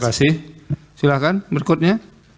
terima kasih silakan berikutnya